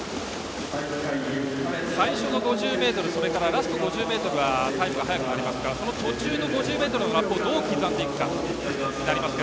最初の５０ｍ、ラストの５０ｍはタイムが速くなりますがその途中の５０ｍをラップをどう刻んでいくかになりますが。